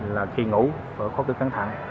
là khi ngủ phải có cái kháng thẳng